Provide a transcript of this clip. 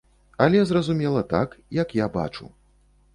Але, зразумела, так, як я бачу.